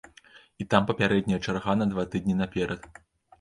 І там папярэдняя чарга на два тыдні наперад.